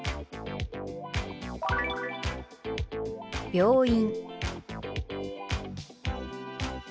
「病院」。